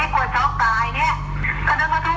คอมเมนต์ไปที่๗